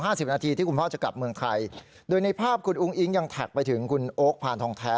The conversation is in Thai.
สิบนาทีที่คุณพ่อจะกลับเมืองไทยโดยในภาพคุณอุ้งอิ๊งยังแท็กไปถึงคุณโอ๊คพานทองแท้